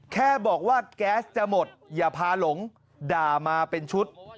แค่บอกว่าแก๊สจะหมดอย่าพาหลงด่ามาเป็นชุด